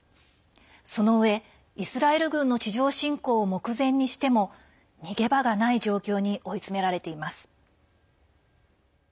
そのうえ、イスラエル軍の地上侵攻を目前にしても逃げ場がない状況に追い詰められています。